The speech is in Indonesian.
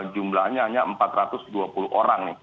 jumlahnya hanya empat ratus dua puluh orang nih